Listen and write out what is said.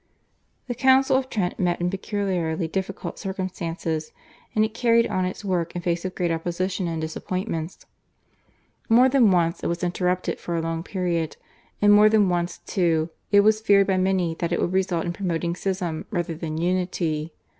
The Council of Trent met in peculiarly difficult circumstances, and it carried on its work in face of great opposition and disappointments. More than once it was interrupted for a long period, and more than once, too, it was feared by many that it would result in promoting schism rather than unity.